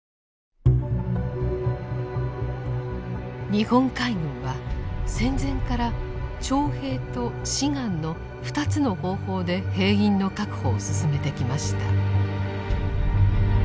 日本海軍は戦前から「徴兵」と「志願」の２つの方法で兵員の確保を進めてきました。